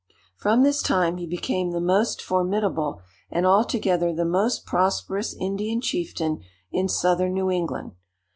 From this time he became the most formidable, and altogether the most prosperous Indian chieftain in Southern New England.